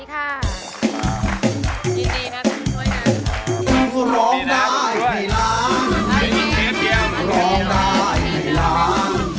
สวัสดีค่ะ